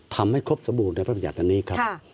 ทำให้ครบสมบูรณ์ในพระบัญญัติอันนี้ครับ